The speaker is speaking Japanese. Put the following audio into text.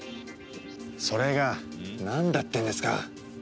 それがなんだっていうんですか？